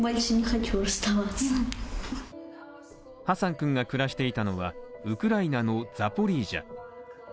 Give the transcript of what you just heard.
ハサン君が暮らしていたのはウクライナのザポリージャ。